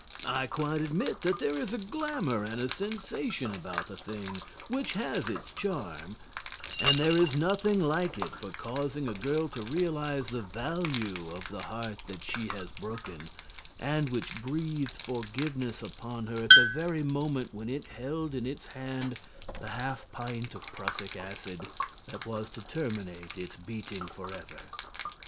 I quite admit that there is a glamour and a sensation about the thing which has its charm, and that there is nothing like it for causing a girl to realize the value of the heart that she has broken and which breathed forgiveness upon her at the very moment when it held in its hand the half pint of prussic acid that was to terminate its beating for ever.